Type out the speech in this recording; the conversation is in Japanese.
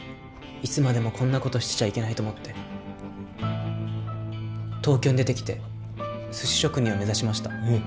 いつまでもこんなことしてちゃいけないと思って東京に出てきて寿司職人を目指しましたえっ